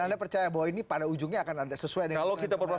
dan anda percaya bahwa ini pada ujungnya akan ada sesuai dengan data bpn prabowo